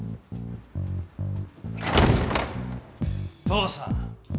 父さん！